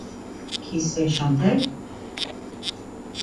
Qui sait chanter?